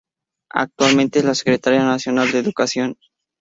Actualmente es la Secretaria Nacional de Educación.